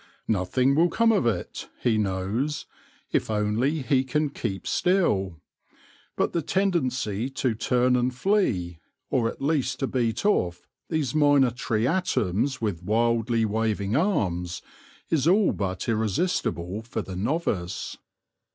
No thing will come of it, he knows, if only he can keep still. But the tendency to turn and flee, or at least to beat off these minatory atoms with wildly waving arms, is all but irresistible for the novice.